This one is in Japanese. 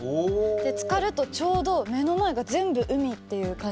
つかるとちょうど目の前が全部海っていう感じになって。